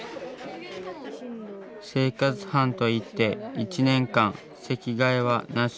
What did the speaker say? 生活班といって１年間席替えはなし。